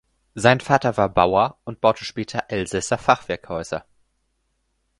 Sein Vater war Bauer und baute später Elsässer Fachwerkhäuser.